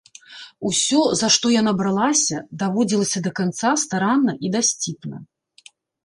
Усё, за што яна бралася, даводзілася да канца старанна і дасціпна.